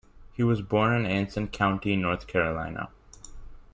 He was born in Anson County, North Carolina.